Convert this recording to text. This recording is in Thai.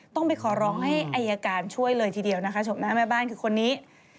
ต้องไปขอร้องให้อายการช่วยเลยทีเดียวนะคะชมหน้าแม่บ้านคือคนนี้